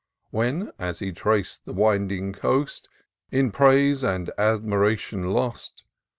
When, as he trac'd the winding coast. In praise and admiration lost.